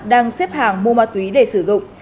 đang xếp hàng mua ma tùy để sử dụng